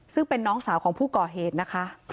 ซึ่งเป็นน้องสาวของผู้ก่อเหตุนะคะ